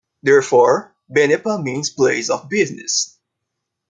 Therefore, "Banepa" means 'Place of Business'.